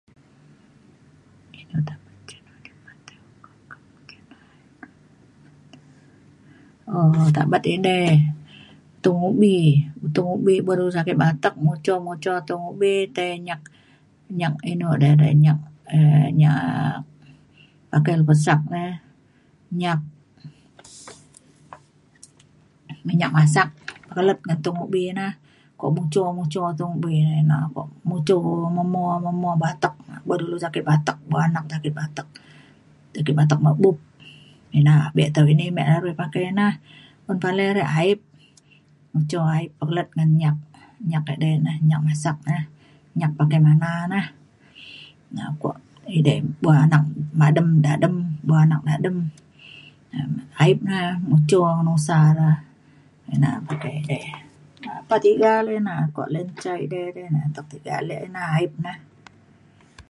um tabat edei tung ubi. tung ubi buk ilu sakit batek muco muco tung ubi tai nyak nyak inu ne dei nya um nyak pakai lu pesak re nyak minyak masak pekelet ngan tung ubi na. ko muco muco tung ubi edei na ko muco me mo me mo batek na. buk ulu sakit batek buk anak sakit batek ti ke batek mebup ina abe tau ini ame larui pakai na. un palai re a’ip muco a’ip pekelet ngan nyak nyak edei ne nyak masak ne. nyak pakai mana na. na kuak edei buk anak madem dadem buk anak dadem na aip na muco na usa re ina pakai edei pa tiga le na. kuak layan ca na atek tiga ale ina aip na.